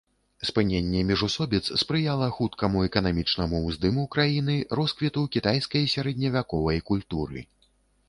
Спыненне міжусобіц спрыяла хуткаму эканамічнаму ўздыму краіны, росквіту кітайскай сярэдневяковай культуры.